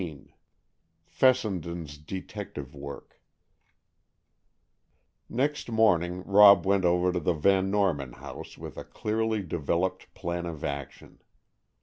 XV FESSENDEN'S DETECTIVE WORK Next morning Rob went over to the Van Norman house with a clearly developed plan of action.